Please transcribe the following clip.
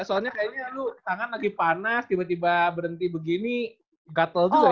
soalnya kayaknya lu tangan lagi panas tiba tiba berhenti begini gatel gitu ya